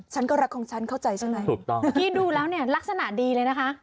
ฉันก็รักของฉันเข้าใจใช่ไหมถูกต้องพี่ดูแล้วเนี่ยลักษณะดีเลยนะคะ